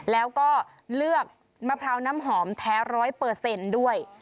แล้วก็เลือกมะพร้าวน้ำหอมแท้ร้อยเปอร์เซ็นต์ด้วย